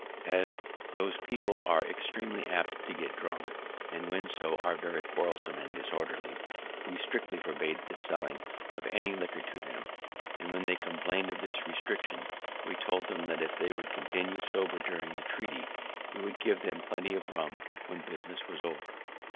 Marg. note. As those people are extreamly apt to get drunk, and, when so, are very quarrelsome and disorderly, we strictly forbade the selling any liquor to them; and when they complain'd of this restriction, we told them that if they would continue sober during the treaty, we would give them plenty of rum when business was over.